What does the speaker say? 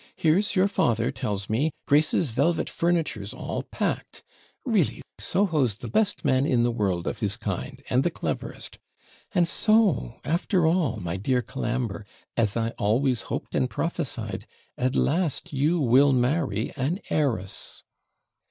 Here's your father tells me, Grace's velvet furniture's all packed; really, Soho's the best man in the world of his kind, and the cleverest and so, after all, my dear Colambre, as I always hoped and prophesied, at last you will marry an heiress.'